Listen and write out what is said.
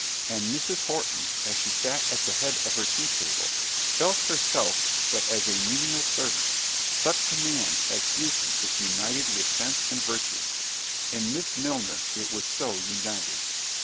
—and Mrs. Horton, as she sat at the head of her tea table, felt herself but as a menial servant: such command has beauty if united with sense and virtue. In Miss Milner it was so united.